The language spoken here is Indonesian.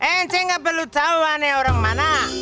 ente enggak perlu tau aneh orang mana